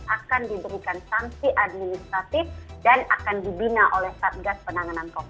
akan diberikan sanksi administratif dan akan dibina oleh satgas penanganan covid sembilan belas